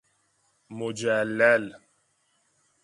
مجلل